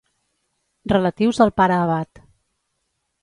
Relatius al pare abat.